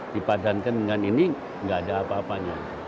dipadankan dengan ini nggak ada apa apanya